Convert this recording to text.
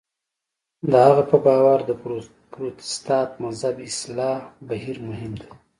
د هغه په باور د پروتستان مذهب اصلاح بهیر مهم و.